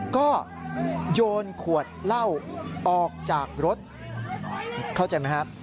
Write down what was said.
ก็โยนขวดเหล้าออกจากรถเข้าใจไหมครับ